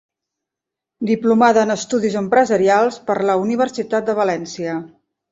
Diplomada en Estudis Empresarials per la Universitat de València.